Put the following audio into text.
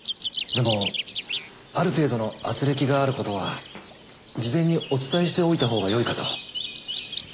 でもある程度のあつれきがあることは事前にお伝えしておいたほうがよいかと。